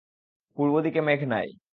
পূর্বদিকে মেঘ নাই।